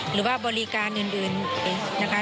หรือว่าบริการอื่นนะคะ